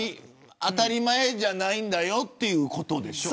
当たり前じゃないんだよということでしょ。